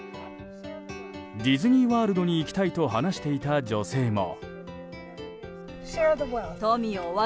ディズニーワールドに行きたいと話していた女性も。